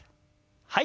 はい。